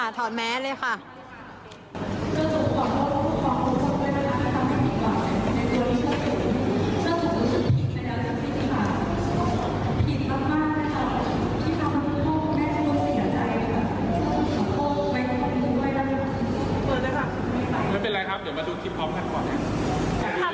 ไม่เป็นไรครับเดี๋ยวมาดูคลิปพร้อมกันก่อนครับ